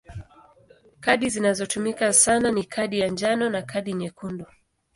Kadi zinazotumika sana ni kadi ya njano na kadi nyekundu.